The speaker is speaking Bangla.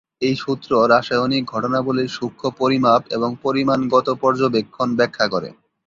এই সূত্র রাসায়নিক ঘটনাবলির সূক্ষ পরিমাপ এবং পরিমাণগত পর্যবেক্ষণ ব্যাখ্যা করে।